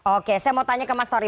oke saya mau tanya ke mas tori